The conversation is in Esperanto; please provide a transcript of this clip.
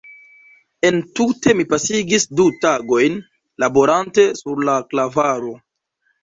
Entute mi pasigis du tagojn laborante sur la klavaro.